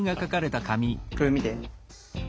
これ見て。